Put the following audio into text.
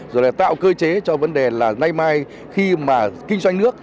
rồi là tạo cơ chế cho vấn đề là nay mai khi mà kinh doanh nước